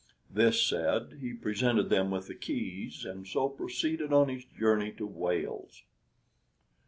This said he presented them with the keys, and so proceeded on his journey to Wales.